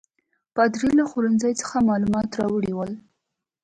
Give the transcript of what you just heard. پادري له خوړنځای څخه معلومات راوړي ول.